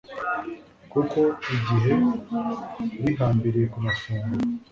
kuko igihe bihambiriye ku mafunguro